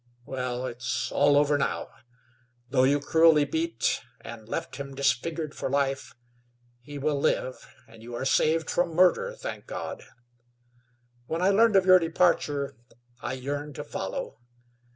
Well, it's all over now. Though you cruelly beat and left him disfigured for life, he will live, and you are saved from murder, thank God! When I learned of your departure I yearned to follow.